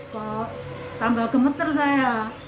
kok tambah gemeter saya